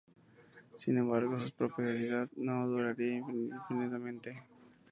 Sin embargo, su prosperidad no duraría indefinidamente.